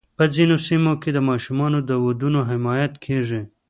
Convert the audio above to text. په ځینو سیمو کې د ماشومانو د ودونو حمایت کېږي.